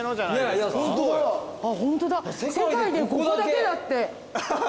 ホントだ世界でここだけだって。